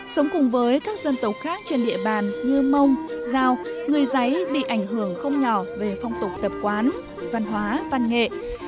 sống cùng với các dân tộc khác trên địa bàn như mông giao người giấy bị ảnh hưởng không nhỏ về phong tục tập quán văn hóa văn nghệ